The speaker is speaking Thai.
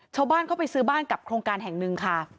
ชาวบ้านเข้าไปซื้อบ้านกับโครงการแห่งหนึ่งค่ะ